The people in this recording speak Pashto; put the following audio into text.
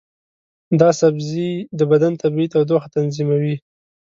دا سبزی د بدن طبیعي تودوخه تنظیموي.